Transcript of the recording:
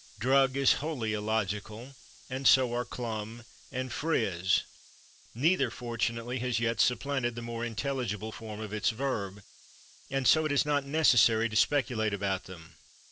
/Drug/ is wholly illogical, and so are /clum/ and /friz/. Neither, fortunately, has yet supplanted the more intelligible form of its verb, and so it is not necessary to speculate about them.